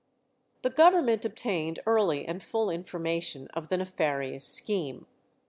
The Government obtained early and full information of the nefarious scheme.